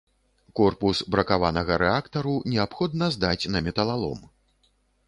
Корпус бракаванага рэактару неабходна здаць на металалом.